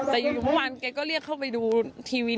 แต่อยู่เมื่อวานแกก็เรียกเข้าไปดูทีวี